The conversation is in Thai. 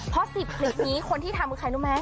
เพราะ๑๐คลิปนี้คนที่ทำคือใครรู้ไหม